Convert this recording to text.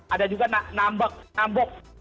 ada juga nambok